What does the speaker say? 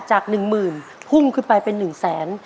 จากหนึ่งหมื่นพุ่งขึ้นไปเป็นหนึ่งแสน